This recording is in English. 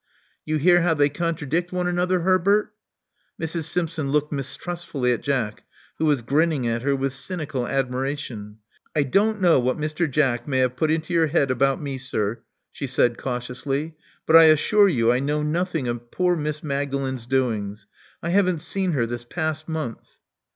You hear how they contradict one another, Herbert?" Mrs. Simpson looked mistrustfully at Jack, who was grinning at her with cynical admiration. I don't know what Mr. Jack may have put into your head about me, sir," she said cautiously; but I assure you I know nothing of poor Miss Magdalen's doings. I haven't seen her this past month."